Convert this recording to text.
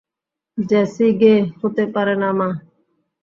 Jassy গে হতে পারে না, মা।